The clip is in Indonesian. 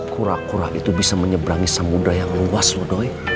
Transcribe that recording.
kura kura itu bisa menyebrangi samudera yang luas loh doy